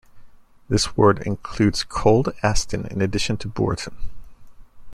This ward includes Cold Aston in addition to Bourton.